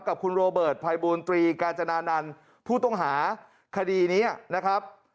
กับคุณโรเบิร์ตภัยบูรตรีกาญจนานันต์ผู้ต้องหาคดีนี้นะครับ